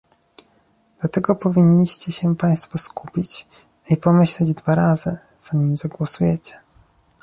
Dlatego powinniście się państwo skupić i pomyśleć dwa razy, zanim zagłosujecie